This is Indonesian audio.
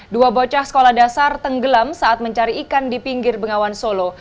dua bocah sekolah dasar tenggelam saat mencari ikan di pinggir bengawan solo